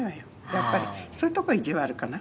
「やっぱりそういうとこ意地悪かな」